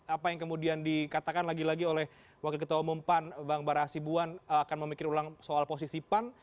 apa yang kemudian dikatakan lagi lagi oleh wakil ketua umum pan bang bara asibuan akan memikir ulang soal posisi pan